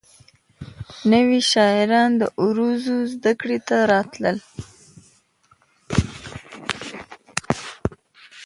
نوي شاعران د عروضو زدکړې ته راتلل.